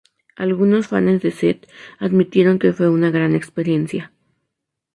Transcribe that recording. Algunos fanes de Zedd admitieron que fue una gran experiencia.